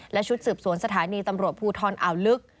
และชุดสืบสวนสถานีตำรวจภูทรอ่าวลึก